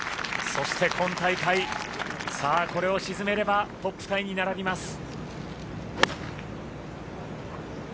そして今大会さあ、これを沈めればトップタイに並びます。